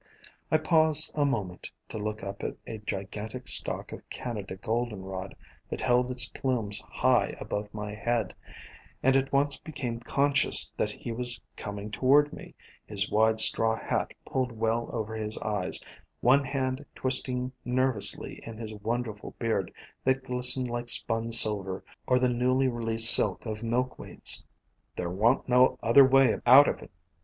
I paused a mo ment to look up at a gigantic stalk of Canada Goldenrod that held its plumes high above my head, and at once became conscious that he was coming toward me, his wide straw hat pulled well over his eyes, one hand twisting nervously in his wonderful beard that glistened like spun silver or the newly released silk of Milkweeds. "There wa'n't no other way out of it.